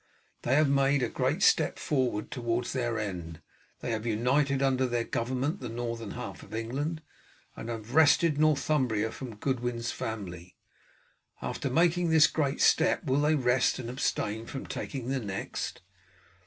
They have made a great step forward towards their end; they have united under their government the northern half of England, and have wrested Northumbria from Godwin's family. After making this great step, will they rest and abstain from taking the next?